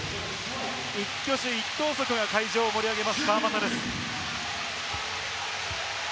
一挙手一投足が会場を盛り上げます、川真田です。